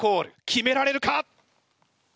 決められるか！？